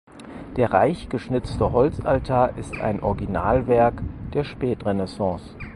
Der reich geschnitzte Holzaltar ist ein Originalwerk der Spätrenaissance.